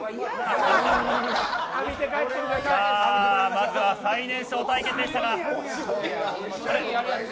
まずは最年少対決でした。